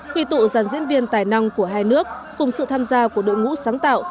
quy tụ dàn diễn viên tài năng của hai nước cùng sự tham gia của đội ngũ sáng tạo